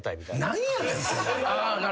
何やねんそれ。